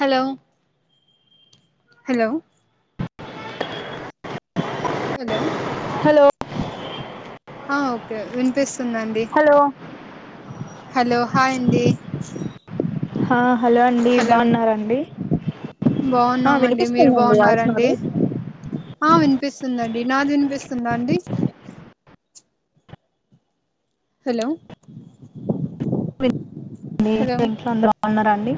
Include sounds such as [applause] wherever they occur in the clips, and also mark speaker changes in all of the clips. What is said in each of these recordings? Speaker 1: hello hello hello
Speaker 2: hello
Speaker 1: okay వినిపిస్తుందండి
Speaker 2: hello
Speaker 1: hello hi అండి
Speaker 2: హా హలో అండి
Speaker 1: హలో
Speaker 2: బాగున్నారండి ఆ
Speaker 1: బాగున్నామండి మీరు
Speaker 2: వినిపిస్తుందండి వాయిస్
Speaker 1: బాగున్నారండి
Speaker 2: నాది
Speaker 1: ఆ వినిపిస్తుందండి నాది వినిపిస్తుందా అండి హలో
Speaker 2: మీ
Speaker 1: హలో
Speaker 2: ఇంట్లో అందరున్నారు బాగున్నారా అండి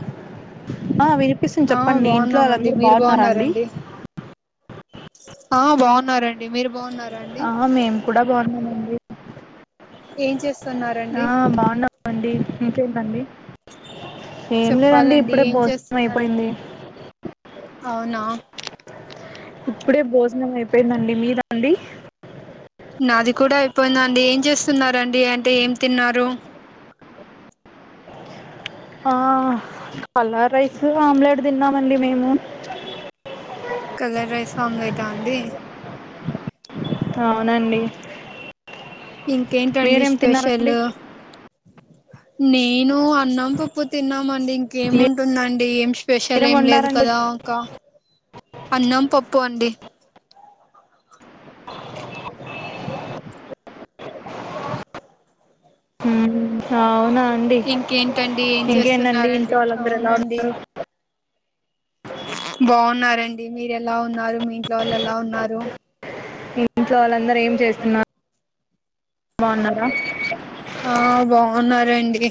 Speaker 2: ఆ వినిపిస్తుంది
Speaker 1: ఆ
Speaker 2: చెప్పండి ఇంట్లో
Speaker 1: బాగున్నామండి
Speaker 2: వాళ్ళందరు
Speaker 1: మీరు
Speaker 2: బాగున్నారాండి
Speaker 1: బాగున్నారండి ఆ బాగున్నారండి మీరు బాగున్నారు
Speaker 2: ఆ మేము కూడా బాగున్నామండి
Speaker 1: ఏం చేస్తున్నారండి
Speaker 2: ఆ బాగుండవుండి ఇంకేంటండి ఏం లేదండి
Speaker 1: చెప్పాలండి
Speaker 2: ఇప్పుడే
Speaker 1: ఏం
Speaker 2: భోజనం
Speaker 1: చేస్తున్నారండి
Speaker 2: అయిపోయింది
Speaker 1: అవునా
Speaker 2: ఇప్పుడే భోజనం అయిపోయిందండి మీద అండి
Speaker 1: నాది కూడా అయిపోయిదండీ ఏం చేస్తునారండి అంటే ఏం తిన్నారు
Speaker 2: ఆ పల్లార్ రైస్ ఆమ్లెట్ తిన్నామండి మేము
Speaker 1: కార్డ్ రైస్ ఆమ్లెటా అండి
Speaker 2: అవునండి
Speaker 1: ఇంకేంటండి
Speaker 2: మీరేం తిన్నారండి
Speaker 1: స్పెషల్ నేను అన్నం పప్పు తిన్నామండి ఇంకా ఇంకా ఏముంటుందండి ఏం స్పెషల్
Speaker 2: మీరేం
Speaker 1: ఏం లేదు
Speaker 2: వండారండి
Speaker 1: కదా అన్నం పప్పు అండి
Speaker 2: హ్మ్ అవునా అండి
Speaker 1: ఇంకేంటండి ఏం
Speaker 2: ఇంకేంటండి
Speaker 1: చేస్తున్నారండి
Speaker 2: ఇంట్లో వాళ్ళందరూ ఎలా ఉన్నారు
Speaker 1: అవునండి బాగున్నారండి మీరు ఎలా ఉన్నారు మీ ఇంట్లో వాళ్ళు ఎలా ఉన్నారు
Speaker 2: మీ ఇంట్లో వాళ్ళందరూ ఏం చేస్తున్నారు బాగున్నారా
Speaker 1: ఆ బాగున్నారండి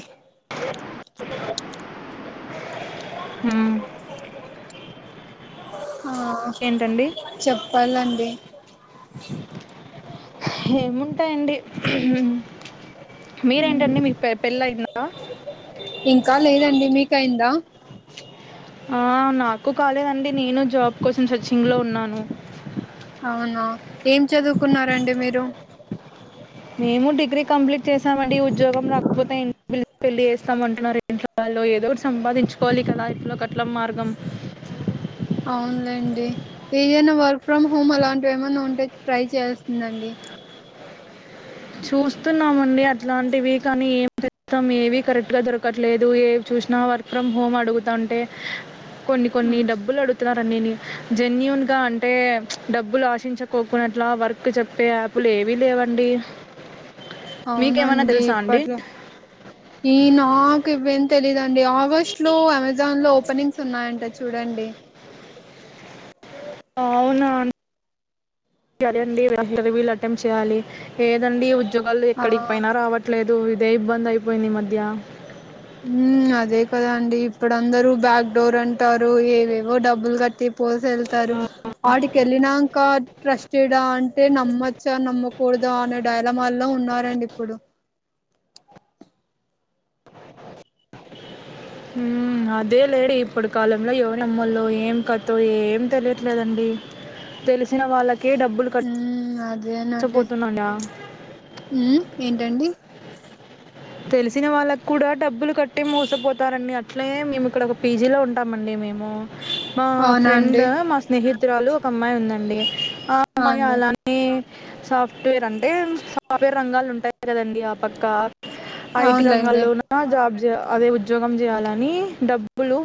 Speaker 2: హ
Speaker 1: హ
Speaker 2: ఏంటండి
Speaker 1: [unintelligible]
Speaker 2: ఏముంటాయండి మీరేంటండి మీ మీకు పెళ్లయిందా
Speaker 1: ఇంకా లేదండి మీకైందా
Speaker 2: ఆ నాకు కాలేదండి నేను జాబ్ కోసం సర్చింగ్ లో ఉన్నాను
Speaker 1: అవును ఏం చదువుకున్నారండి మీరు
Speaker 2: మేము డిగ్రీ కంప్లీట్ చేసామండి ఉద్యోగం రాకపోతే ఇంట్లో పెళ్లి చేస్తామంటున్నారు అండి ఇంట్లో వాళ్ళు ఏదోటి సంపాదించుకోవాలి కదా ఇఫ్లో కట్ల మార్గం
Speaker 1: అవునులేండి ఏదైనా వర్క్ ఫ్రమ్ హోమ్ అలాంటివి ఏమన్నా ఉంటే ట్రై చేయాల్సిందండి
Speaker 2: చూస్తున్నామండి అట్లాంటివి కానీ ఏమి ప్రస్తుతం ఏవీ కరెక్ట్ గా దొరకట్లేదు ఏ చూసినా వర్క్ ఫ్రమ్ హోమ్ అడుగుతుంటే కొన్ని కొన్ని డబ్బులు అడు జన్యున్ గా అంటే డబ్బులు ఆశించకోకుట్లా వర్క్ చెప్పే యాప్ ప్పులు ఏవీ లేవండి మీకేమైనా
Speaker 1: అవునండి
Speaker 2: తెలుసా అండి
Speaker 1: ఇప్పడు ఈ నాకు ఇవేం తెలీదుండి ఆగస్టు లో అమెజాన్ లో ఓపెనింగ్స్ ఉన్నాయంట చూడండి
Speaker 2: అవునా ఇంటర్వ్యూ కి అటెండ్ అయ్యి ఎగ్జామ్ అటెంప్ట్ చేయాలి ఏదండి ఉద్యోగాలు
Speaker 1: ఆ
Speaker 2: ఎక్కడికి పోయినా రావట్లేదు ఇదే ఇబ్బంది అయిపోయింది ఈ మధ్య
Speaker 1: అదే కదా అండి ఇప్పుడు అందరూ బ్యాక్డోర్ అంటారు ఏవేవో డబ్బులు కట్టి పోసి వెళ్తారు వాటికి వెళ్ళినాక ట్రస్టెడా అంటే నమ్మచ్చా నమ్మకూడదా అనే డైలమాల్లో ఉన్నారండి ఇప్పుడు
Speaker 2: హామ్ అదేలే ఇప్పుడు కాలంలో ఎవరినీ నామ్మల్లో ఏం కథ ఏం తెలియట్లేదండి తెలిసిన వాళ్ళకే డబ్బులు కట్టి
Speaker 1: మ్మ్
Speaker 2: మోసపోతున్నాం ఇడ
Speaker 1: ఉమ్ ఏంటండి
Speaker 2: తెలిసిన వాళ్ళకు కూడా డబ్బులు కట్టి మూసపోతారండి అట్లే మేము ఇక్కడ ఒక పీజీలో ఉంటామండి మేము మా
Speaker 1: అవునా
Speaker 2: ఫ్రెండ్
Speaker 1: అండి
Speaker 2: మా స్నేహితురాలు ఒక అమ్మాయి ఉందండి ఆ అమ్మాయి
Speaker 1: అవునండి
Speaker 2: అలా అ సాఫ్ట్వేర్ అంటే సాఫ్ట్వేర్ రంగాలు ఉంటాయి కదండి ఆ పక్క ఐటి
Speaker 1: అవునులేండి
Speaker 2: రంగాల్లోన జాబ్ అదే ఉద్యోగం చేయాలని డబ్బులు